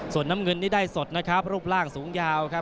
ส่วนน้ำเงินนี้ได้สดนะครับรูปร่างสูงยาวครับ